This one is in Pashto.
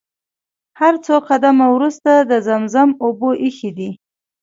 هر څو قدمه وروسته د زمزم اوبه ايښي دي.